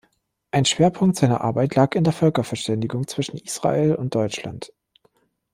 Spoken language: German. Ein Schwerpunkt seiner Arbeit lag in der Völkerverständigung zwischen Israel und Deutschland.